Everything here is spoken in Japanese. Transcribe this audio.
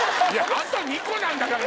あと２個なんだから。